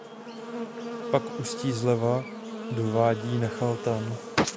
Pak ústí zleva do vádí Nachal Tan.